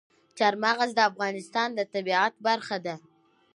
چار مغز د افغانستان د طبیعت برخه ده.